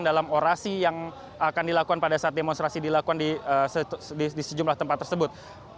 dalam orasi yang akan dilakukan pada saat demonstrasi dilakukan di sejumlah tempat tersebut